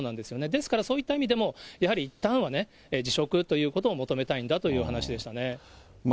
ですからそういった意味でも、やはりいったんはね、辞職ということを求めたいんだという話でしたね。